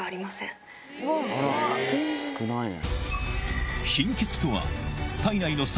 少ないね。